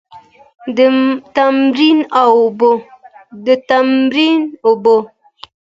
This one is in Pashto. د تمرین اوبه.